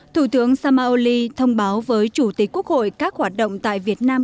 thủ tướng samaoli thông báo với chủ tịch quốc hội các hoạt động tại việt nam